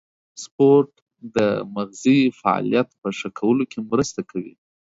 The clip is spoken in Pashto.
سپورت د مغزي فعالیت په ښه کولو کې مرسته کوي.